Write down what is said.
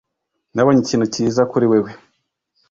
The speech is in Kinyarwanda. Nabonye ikintu cyiza kuri wewe